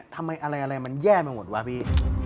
ทำไมอะไรมันแย่ไปหมดวะพี่